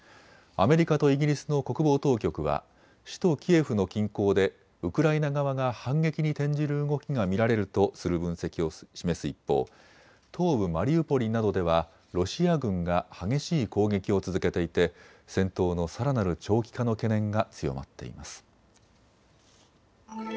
アメリカとイギリスの国防当局は首都キエフの近郊でウクライナ側が反撃に転じる動きが見られるとする分析を示す一方、東部マリウポリなどではロシア軍が激しい攻撃を続けていて戦闘のさらなる長期化の懸念が強まっています。